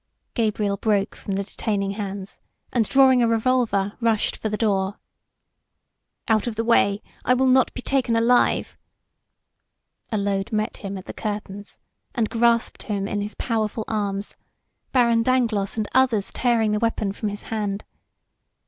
Gabriel broke from the detaining hands and drawing a revolver, rushed for the door. "Out of the way! I will not be taken alive!" Allode met him at the curtains and grasped him in his powerful arms, Baron Dangloss and others tearing the weapon from his hand.